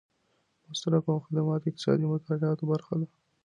مصرف او خدمات د اقتصادي مطالعاتو برخه ده.